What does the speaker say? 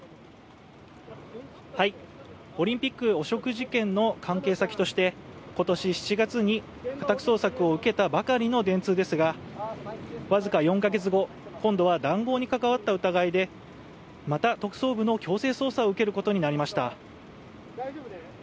オリンピック汚職事件の関係先として今年７月に家宅捜索を受けたばかりの電通ですがわずか４か月後今度は談合に関わった疑いでまた特捜部の強制捜査を受けることになりました